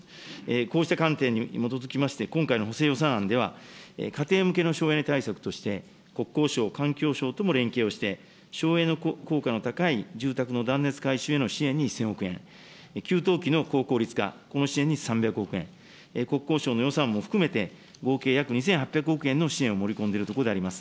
こうした観点に基づきまして、今回の補正予算案では、家庭向けの省エネ対策として、国交省、環境省とも連携をして、省エネ効果の高い住宅の断熱改修への支援に１０００億円、給湯器の高効率化、この支援に３００億円、国交省の予算も含めて、合計約２８００億円の支援を盛り込んでいるところであります。